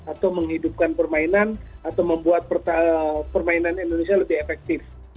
atau menghidupkan permainan atau membuat permainan indonesia lebih efektif